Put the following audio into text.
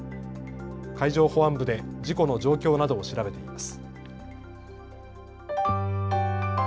海上保安部で事故の状況などを調べています。